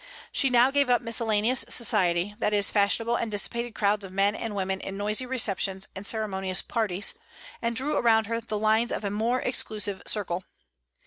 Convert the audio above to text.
She now gave up miscellaneous society, that is, fashionable and dissipated crowds of men and women in noisy receptions and ceremonious parties, and drew around her the lines of a more exclusive circle.